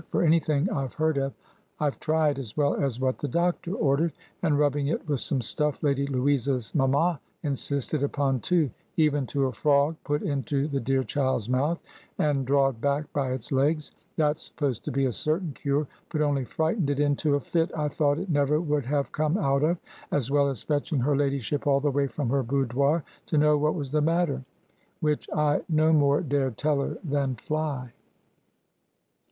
For any thing I heard of I've tried, as well as what the doctor ordered, and rubbing it with some stuff Lady Louisa's mamma insisted upon, too,—even to a frog put into the dear child's mouth, and drawed back by its legs, that's supposed to be a certain cure, but only frightened it into a fit I thought it never would have come out of, as well as fetching her ladyship all the way from her boudoir to know what was the matter—which I no more dared tell her than fly."